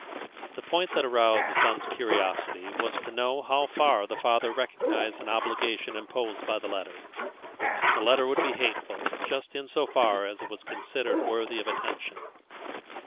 The point that aroused the son's curiosity was to know how far the father recognised an obligation imposed by the letter. The letter would be hateful just in so far as it was considered worthy of attention.